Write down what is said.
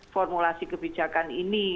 formulasi kebijakan ini